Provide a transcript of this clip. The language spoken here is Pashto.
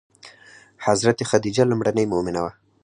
حضرت خدیجه لومړنۍ مومنه وه.